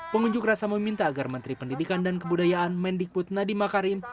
pengunjuk rasa meminta agar menteri pendidikan dan kebudayaan mendikbud nadiem makarim